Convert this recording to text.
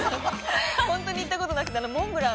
◆本当に行ったことなくてあのモンブラン